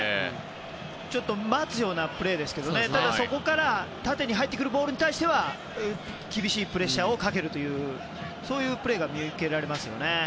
ちょっと待つようなプレーですがただ、そこから縦に入ってくるボールに対しては厳しいプレッシャーをかけるプレーが見受けられますね。